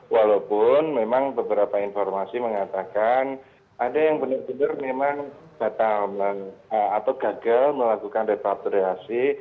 walaupun memang beberapa informasi mengatakan ada yang benar benar memang batal atau gagal melakukan repatriasi